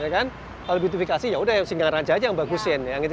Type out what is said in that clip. kalau beautifikasi yaudah singaraja aja yang bagusin yang itu itu nggak usah